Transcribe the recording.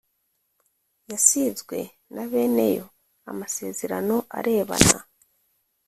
yasizwe na bene yo amasezerano arebana